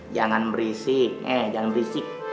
jangan berisik eh jangan berisik